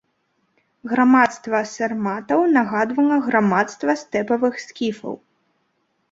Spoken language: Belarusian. Грамадства сарматаў нагадвала грамадства стэпавых скіфаў.